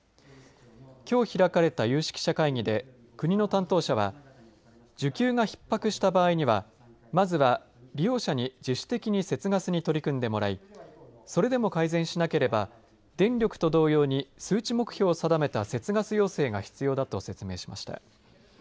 きょう開かれた有識者会議で国の担当者は需給がひっ迫した場合にはまずは利用者に自主的に節ガスに取り組んでもらいそれでも改善しなければ電力と同様に数値目標を定めた節ガス要請が必要だという説明しました。